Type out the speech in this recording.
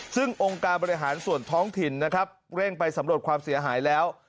ซึ่งองค์การบริหารส่วนท้องถิ่นนะครับเร่งไปสำรวจความเสียหายแล้ว